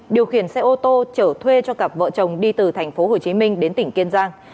điều khiển xe ô tô chở thuê cho cặp vợ chồng đi từ thành phố hồ chí minh đến tỉnh kiên giang